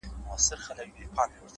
قربان د عِشق تر لمبو سم. باید ومي سوځي.